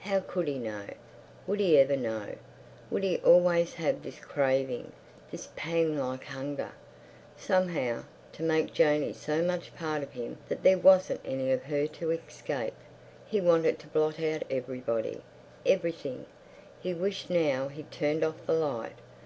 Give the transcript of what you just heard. How could he know? Would he ever know? Would he always have this craving—this pang like hunger, somehow, to make Janey so much part of him that there wasn't any of her to escape? He wanted to blot out everybody, everything. He wished now he'd turned off the light.